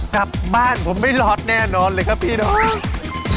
กลับบ้านผมไม่รอดแน่นอนเลยครับพี่น้อง